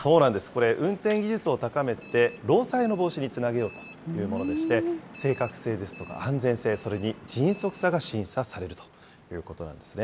これ、運転技術を高めて、労災の防止につなげようというものでして、正確性ですとか安全性、それに迅速さが審なるほど。